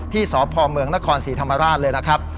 ที่สอบพลเมืองนครศรีธรรมาสเลยนะครับ